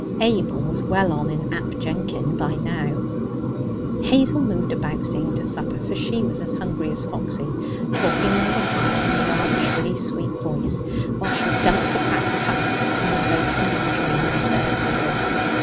Abel was well on in 'Ap Jenkyn' by now. Hazel moved about, seeing to supper, for she was as hungry as Foxy, talking all the time in her rather shrilly sweet voice, while she dumped the cracked cups and the loaf and margarine on the bare table.